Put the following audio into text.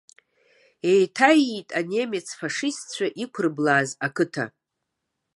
Еиҭаиит анемец фашистцәа иқәрыблааз ақыҭа.